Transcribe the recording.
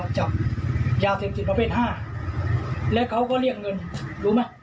จับยาเสพติดประเภทห้าแล้วเขาก็เรียกเงินรู้ไหม